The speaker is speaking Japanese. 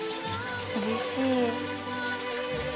うれしい。